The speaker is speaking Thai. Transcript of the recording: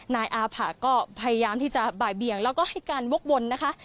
นายอาผะก็พยายามที่จะบ่ายเบียงแล้วก็ให้การวกวนนะคะ